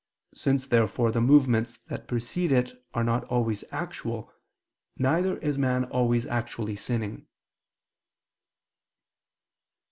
Since therefore the movements that precede it are not always actual, neither is man always actually sinning.